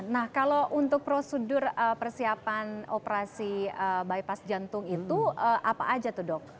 nah kalau untuk prosedur persiapan operasi bypass jantung itu apa aja tuh dok